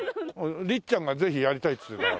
りっちゃんがぜひやりたいって言うから。